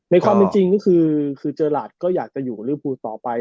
ความเป็นจริงก็คือเจอหลาดก็อยากจะอยู่กับลิวภูต่อไป